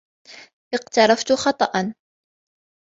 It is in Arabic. اقترفت خطأً.